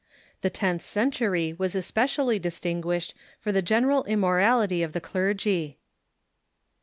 The tenth century was especially distinguished for the general immorality of the clergy.